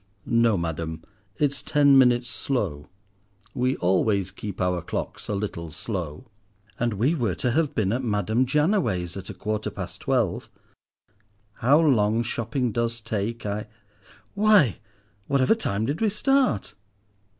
"No, madam, it's ten minutes slow. We always keep our clocks a little slow!" "And we were too have been at Madame Jannaway's at a quarter past twelve. How long shopping does take! Why, whatever time did we start?"